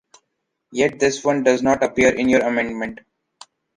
Yet this one does not appear in your amendment.